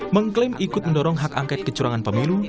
mengklaim ikut mendorong hak angket kecurangan pemilu